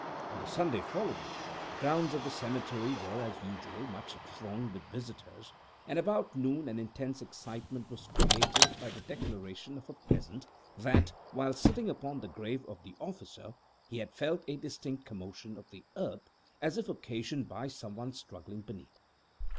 On the Sunday following, the grounds of the cemetery were, as usual, much thronged with visiters, and about noon an intense excitement was created by the declaration of a peasant that, while sitting upon the grave of the officer, he had distinctly felt a commotion of the earth, as if occasioned by some one struggling beneath.